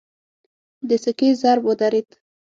د سکې ضرب ودرېد.